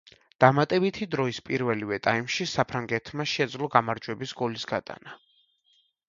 დამატებითი დროის პირველივე ტაიმში საფრანგეთმა შეძლო გამარჯვების გოლის გატანა.